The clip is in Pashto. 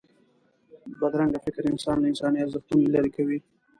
بدرنګه فکر انسان له انساني ارزښتونو لرې کوي